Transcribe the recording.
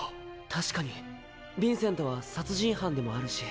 確かにビンセントは殺人犯でもあるし。